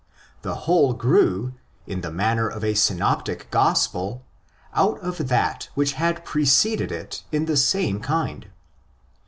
The whole grew, in the manner of a synoptic Gospel, out of that which had preceded it in the same kind.